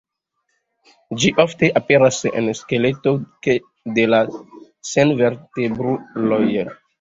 Ĝi ofte aperas en skeleto de la senvertebruloj.